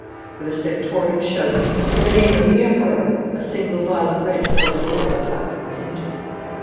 With a stentorian shout of 'In the name of the Emperor!' a single violent wrench tore the door of the hut from its hinges.